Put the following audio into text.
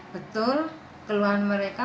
betul keluhan mereka